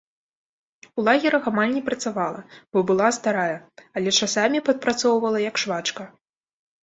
У лагерах амаль не працавала, бо была старая, але часамі падпрацоўвала як швачка.